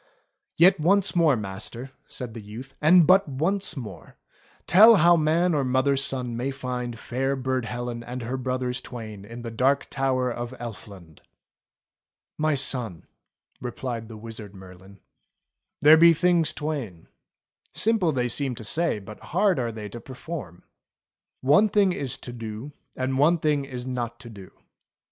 "Yet once more, Master," said the youth, "and but once more, tell how man or mother's son may find fair Burd Helen and her brothers twain in the Dark Tower of Elfland." 28o ENGLISH FAIRY TALES "My son," replied the wizard Merlin, "there be things twain ; simple they seem to say, but hard are they to per form. One thing is to do, and one thing is not to do.